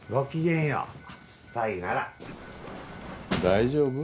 大丈夫？